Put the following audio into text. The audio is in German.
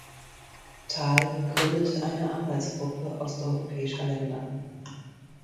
Thal gründete eine Arbeitsgruppe osteuropäischer Länder.